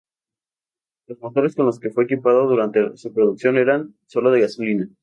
Los motores con los que fue equipado durante su producción eran sólo de gasolina.